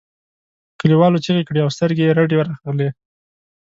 کليوالو چیغې کړې او سترګې یې رډې راغلې.